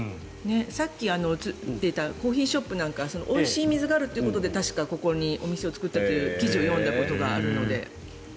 さっき映ってたコーヒーショップなんかはおいしい水があるということで確かここにお店を作ったという記事を読んだことがあるので。